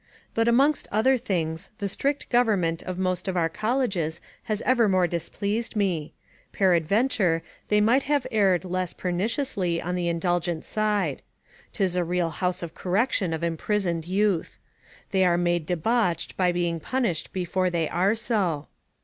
But amongst other things, the strict government of most of our colleges has evermore displeased me; peradventure, they might have erred less perniciously on the indulgent side. 'Tis a real house of correction of imprisoned youth. They are made debauched by being punished before they are so.